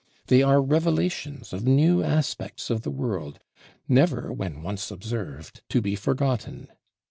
They are revelations of new aspects of the world, never, when once observed, to be forgotten.